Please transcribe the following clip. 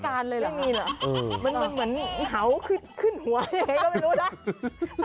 ไม่มีเหรอมันเหมือนเห่าขึ้นหัวยังไงก็ไม่รู้นะ